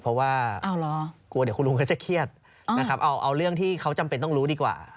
เพราะว่ากลัวเดี๋ยวคุณลุงเขาจะเครียดนะครับเอาเรื่องที่เขาจำเป็นต้องรู้ดีกว่า